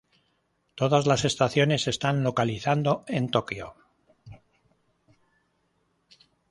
Todas las estaciones están localizando en Tokio.